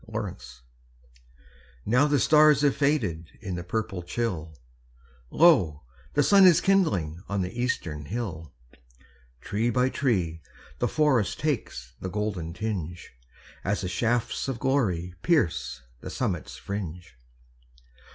At Sunrise Now the stars have faded In the purple chill, Lo, the sun is kindling On the eastern hill. Tree by tree the forest Takes the golden tinge, As the shafts of glory Pierce the summit's fringe.